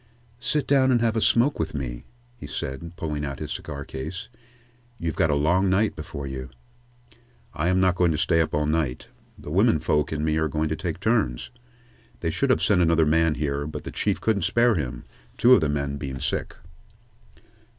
"Sit down and have a smoke with me," he said, pulling out his cigar case. "You've got a long night before you." "I am not going to stay up all night. The women folks and me are going to take turns. They should have sent another man here, but the Chief couldn't spare him, two of the men being sick."